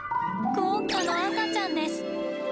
クオッカの赤ちゃんです。